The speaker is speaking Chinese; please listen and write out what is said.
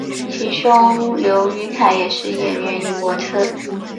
其兄刘雨凯也是演员与模特儿。